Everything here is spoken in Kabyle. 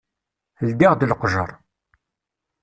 Ldiɣ-d leqjer.